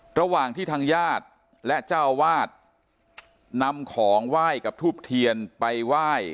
ระหว่างที่ทางญาติและเจ้าวาดนำของไหว้กับทูบเทียนไปไหว้